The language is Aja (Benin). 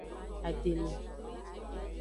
Ademe.